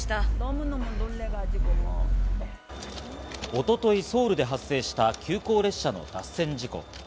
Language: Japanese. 一昨日、ソウルで発生した、急行列車の脱線事故。